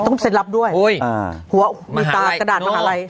ต้องเซ็นลับด้วยมิตราดันมหาลัย